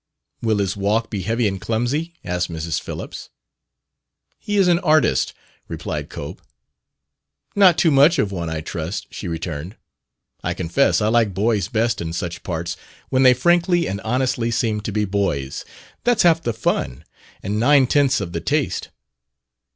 "Will his walk be heavy and clumsy?" asked Mrs. Phillips. "He is an artist," replied Cope. "Not too much of one, I trust," she returned. "I confess I like boys best in such parts when they frankly and honestly seem to be boys. That's half the fun and nine tenths of the taste."